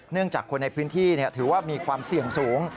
จากคนในพื้นที่ถือว่ามีความเสี่ยงสูง